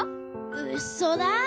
うっそだ。